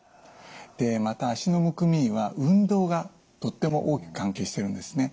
また脚のむくみには運動がとっても大きく関係してるんですね。